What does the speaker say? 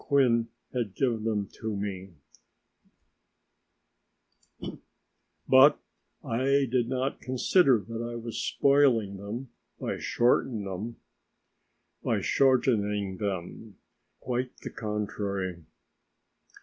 Acquin had given them to me, but I did not consider that I was spoiling them by shortening them, quite the contrary.